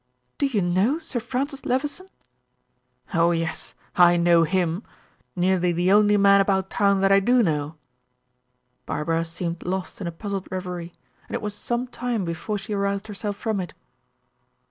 "Do you know Sir Francis Levison?" "Oh, yes, I know him. Nearly the only man about town that I do know." Barbara seemed lost in a puzzled reverie, and it was some time before she aroused herself from it.